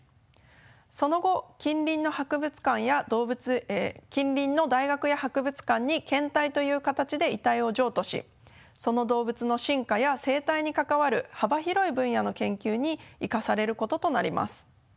その後近隣の大学や博物館に献体という形で遺体を譲渡しその動物の進化や生態に関わる幅広い分野の研究に生かされることとなります。